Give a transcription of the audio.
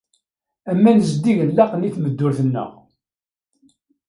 Aman zeddigen laqen i tmeddurt-nneɣ.